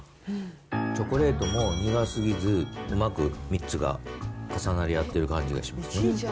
チョコレートも苦すぎず、うまく３つが重なり合ってる感じがしますね。